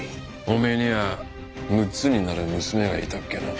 おめえには６つになる娘がいたっけな。